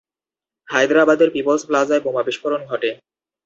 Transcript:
হায়দ্রাবাদের পিপলস প্লাজায় বোমা বিস্ফোরণ ঘটে।